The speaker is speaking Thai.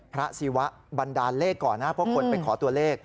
ศิวะบันดาลเลขก่อนนะเพราะคนไปขอตัวเลข